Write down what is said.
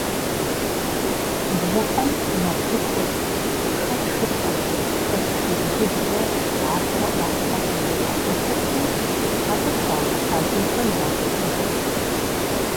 Бжьыхьэм нартыхур, хэт шыплӏэкӏэ, хэт шыгу-выгукӏэ къахьурэ ӏуащхьэм щызэхуахьэсырти, абы тращӏыхьа духэм иракӏутэжырт.